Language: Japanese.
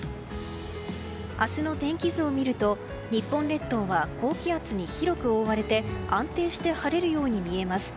明日の天気図を見ると日本列島は高気圧に広く覆われて安定して晴れるように見えます。